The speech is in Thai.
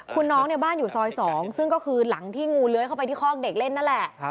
คุณน้องเนี่ยบ้านอยู่ซอย๒ซึ่งก็คือหลังที่งูเลื้อยเข้าไปที่คอกเด็กเล่นนั่นแหละ